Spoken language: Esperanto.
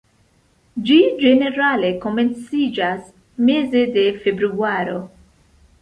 Ĝi ĝenerale komenciĝas meze de februaro.